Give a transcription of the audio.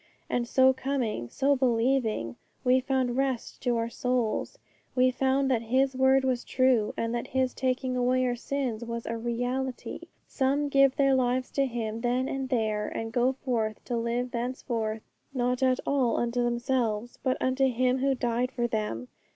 And so coming, so believing, we found rest to our souls; we found that His word was true, and that His taking away our sins was a reality. Some give their lives to Him then and there, and go forth to live thenceforth not at all unto themselves, but unto Him who died for them.